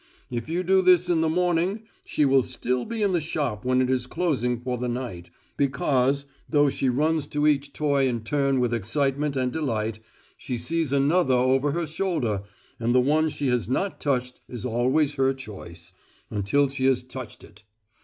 If you do this in the morning, she will still be in the shop when it is closing for the night, because, though she runs to each toy in turn with excitement and delight, she sees another over her shoulder, and the one she has not touched is always her choice until she has touched it!